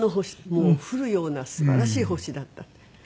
もう降るような素晴らしい星だったって。